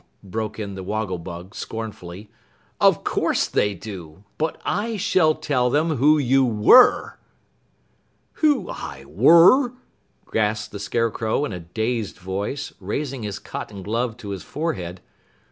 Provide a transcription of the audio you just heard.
broke in the Wogglebug scornfully "Of course they do but I shall tell them who you were!" "Who I were?" gasped the Scarecrow in a dazed voice, raising his cotton glove to his forehead.